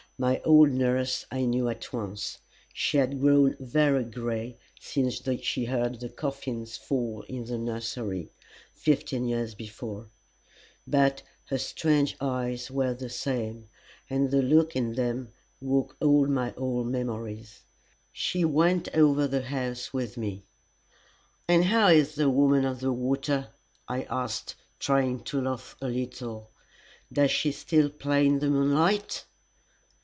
My old nurse I knew at once. She had grown very gray since she heard the coffins fall in the nursery fifteen years before, but her strange eyes were the same, and the look in them woke all my old memories. She went over the house with me. "And how is the Woman of the Water?" I asked, trying to laugh a little. "Does she still play in the moonlight?"